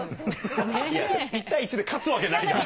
１対１で勝つわけないから。